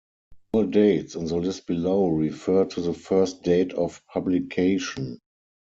All dates in the list below refer to the first date of publication.